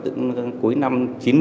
từ cuối năm chín mươi